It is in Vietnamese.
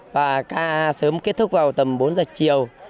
và ca sớm kết thúc vào tầm bốn giờ chiều